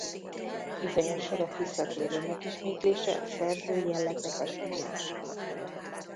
Bizonyos sorok visszatérő megismétlése a szerző jellegzetes vonása.